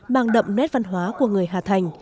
nó là một trong những nét văn hóa của người hà thành